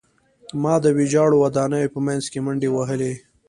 ما د ویجاړو ودانیو په منځ کې منډې وهلې